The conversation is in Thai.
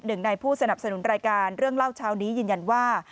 หนึ่งในผู้สนับสนุนรายการเรื่องเล่าเช้านี้ยืนยันว่า